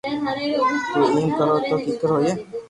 تو ايم ڪرو تو ڪيڪر ھوئي